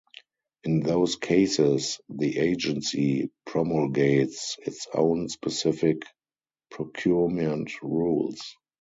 In those cases, the agency promulgates its own specific procurement rules.